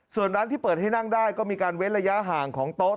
ส่วนร้านที่เปิดให้นั่งได้ก็มีการเว้นระยะห่างของโต๊ะ